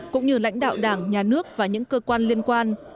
cũng như lãnh đạo đảng nhà nước và những cơ quan liên quan